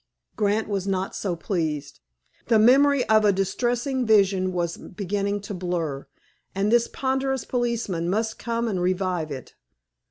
Grant was not so pleased. The memory of a distressing vision was beginning to blur, and this ponderous policeman must come and revive it.